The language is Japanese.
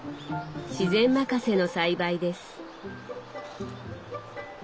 自然任せの栽培です。